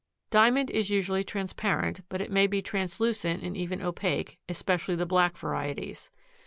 Diamond is usually transparent, but it may be translucent and even opaque, especially the black varieties.